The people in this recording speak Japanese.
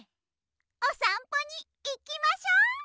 おさんぽにいきましょ！